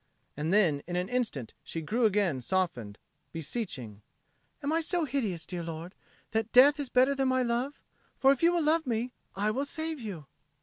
And then in an instant she grew again softened, beseeching, "Am I so hideous, dear lord, that death is better than my love? For if you will love me, I will save you."